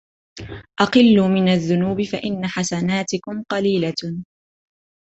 أَقِلُّوا مِنْ الذُّنُوبِ فَإِنَّ حَسَنَاتِكُمْ قَلِيلَةٌ